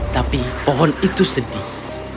tapi pohon itu sedih